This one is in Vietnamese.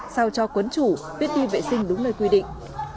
sao cho quấn chủ biết đi vệ sinh đúng nơi quy định